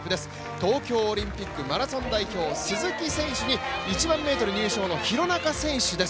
東京オリンピックマラソン代表、鈴木選手に１００００ｍ入賞の廣中選手です。